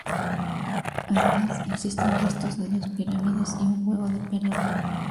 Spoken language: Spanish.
Además, existen restos de dos pirámides y un juego de pelota.